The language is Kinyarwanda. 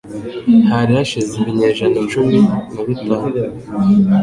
Hari hashize ibinyejana cumi na bitanu,